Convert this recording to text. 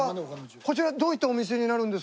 こちらどういったお店になるんですか？